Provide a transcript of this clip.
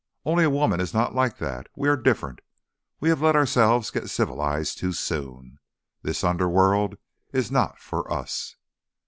Only a woman is not like that. We are different. We have let ourselves get civilised too soon. This underworld is not for us."